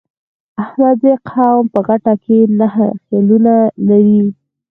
احمدزی قوم په غټه کې نهه خيلونه لري.